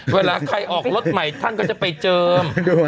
เวลาใครออกรถใหม่ท่านก็จะไปเจิม